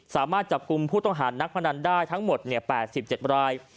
สามารถจับกลุ่มผู้ต้องหานักพนันได้ทั้งหมด๘๗ราย